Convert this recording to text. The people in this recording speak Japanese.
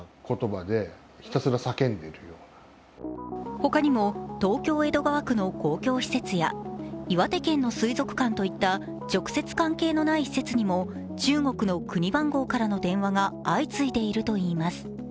ほかにも東京・江戸川区の公共施設や岩手県の水族館といった直接関係のない施設にも中国の国番号からの電話が相次いでいるといいます。